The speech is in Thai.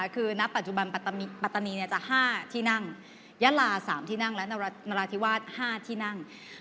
คือณปัจจุบันปัตตานีจะ๕ที่นั่งยะลา๓ที่นั่งและนราธิวาส๕ที่นั่ง